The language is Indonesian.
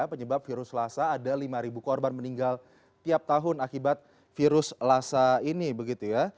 menyebabkan virus lhasa ada lima korban meninggal tiap tahun akibat virus lhasa ini